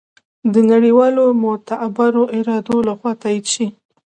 د نړیوالو معتبرو ادارو لخوا تائید شي